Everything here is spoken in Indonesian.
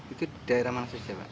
itu daerah mana saja pak